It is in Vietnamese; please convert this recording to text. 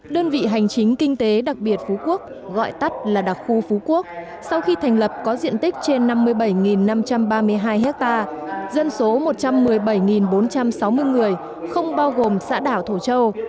đơn vị hành chính kinh tế đặc biệt phú quốc gọi tắt là đặc khu phú quốc sau khi thành lập có diện tích trên năm mươi bảy năm trăm ba mươi hai ha dân số một trăm một mươi bảy bốn trăm sáu mươi người không bao gồm xã đảo thổ châu